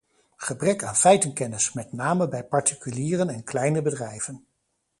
Gebrek aan feitenkennis, met name bij particulieren en kleine bedrijven.